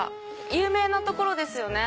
有名なところですよね。